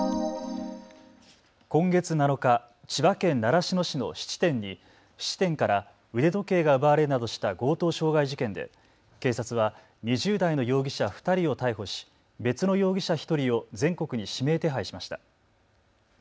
今月７日千葉県習志野市の質店から腕時計が奪われるなどした強盗傷害事件で警察は２０代の容疑者２人を逮捕し別の容疑者１人を全国に指名手配しました。